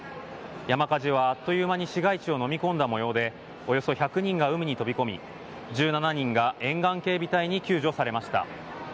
山火事はあっという間に市街地をのみ込んだもようでおよそ１００人が海に飛び込み１７人が沿岸警備隊に救助されました。